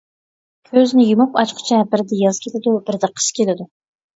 كۆزنى يۇمۇپ ئاچقۇچە بىردە ياز كېلىدۇ، بىردە قىش كېلىدۇ.